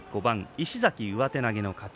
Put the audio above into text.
石崎、上手投げの勝ち。